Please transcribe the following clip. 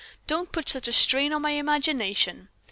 "Don't put such a strain on my imagination."